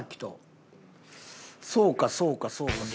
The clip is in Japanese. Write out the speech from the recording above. そうかそうかそうか。